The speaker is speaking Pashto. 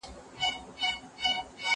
زه ليکلي پاڼي نه ترتيب کوم